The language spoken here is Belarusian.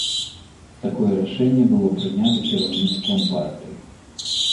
Такое рашэнне было прынята кіраўніцтвам партыі.